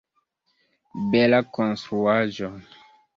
Bela konstruaĵo!